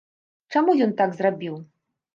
Чаму ён так зрабіў?